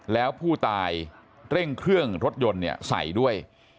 แล้วผู้ตายเร่งเครื่องรถยนต์ใส่ด้วย